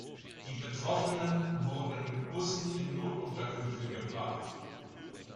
Die Betroffenen wurden mit Bussen in Notunterkünfte gebracht.